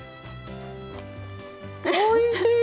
おいしい！